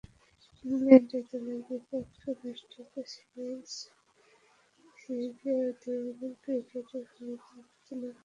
England এ-দলের বিপক্ষে অনুষ্ঠিত সিরিজে উদীয়মান ক্রিকেটারের ভূমিকায় অবতীর্ণ হয়েছিলেন।